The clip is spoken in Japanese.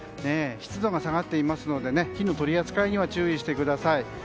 湿度が下がっていますので火の取り扱いには注意してください。